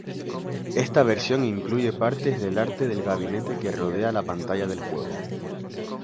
Esta versión incluye partes del arte del gabinete que rodea la pantalla del juego.